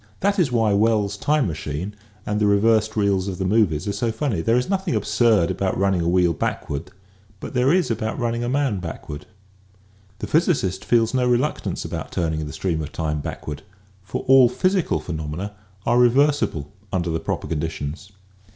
That is why Wells's Time Machine " and the reversed reels of the movies are so funny. There is nothing absurd about running a wheel backward but there is about running a man backward.* The physicist feels no reluctance about turning the stream of time backward for all physical phenomena are reversible under the proper conditions.